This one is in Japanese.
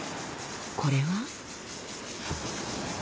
これは。